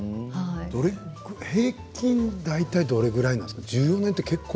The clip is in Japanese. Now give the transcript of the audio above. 平均大体どれくらいなんですか。